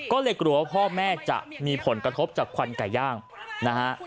ก็เลยกลัวว่าพ่อแม่จะมีผลกระทบจากควันไก่ย่างนะฮะ